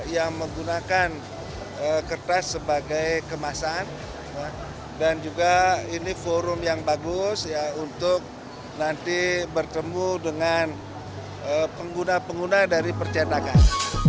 yang menggunakan kertas sebagai kemasan dan juga ini forum yang bagus untuk nanti bertemu dengan pengguna pengguna dari percetakan